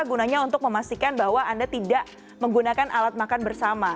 gunanya untuk memastikan bahwa anda tidak menggunakan alat makan bersama